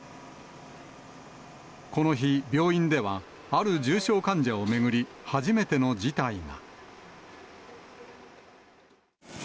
この日、病院では、ある重症患者を巡り、初めての事態が。